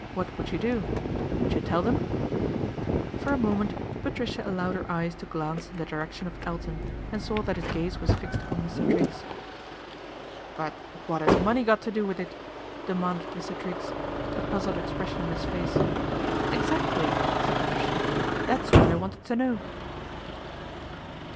What would you do ? Vould you tell them ?" For a moment Patricia allowed her eyes to lance in the direction of Elton, and saw that his iaze was fixed upon Mr. Triggs. " But what 'as money got to do with it ?" emanded Mr. Triggs, a puzzled expression on his ice. Exactly !" said Patricia. " That's what I ted to know."